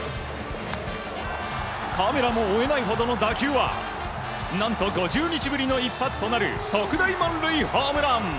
カメラも追えないほどの打球は何と５０日ぶりの一発となる特大満塁ホームラン！